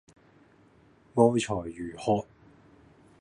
愛才如渴